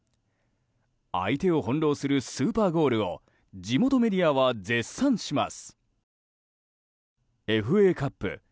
相手をほんろうするスーパーゴールを地元メディアは絶賛します。